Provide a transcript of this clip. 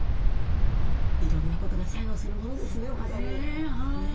いろんなことが作用するものですねお肌に。